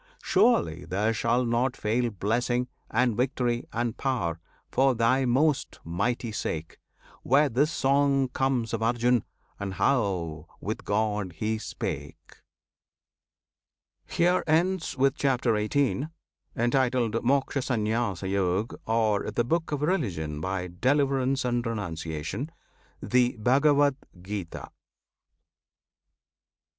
surely there shall not fail Blessing, and victory, and power, for Thy most mighty sake, Where this song comes of Arjun, and how with God he spake. HERE ENDS, WITH CHAPTER XVIII., Entitled "Mokshasanyasayog," Or "The Book of Religion by Deliverance and Renunciation," THE BHAGAVAD GITA.